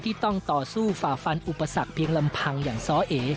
ต้องต่อสู้ฝ่าฟันอุปสรรคเพียงลำพังอย่างซ้อเอ